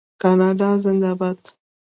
کاناډا زنده باد.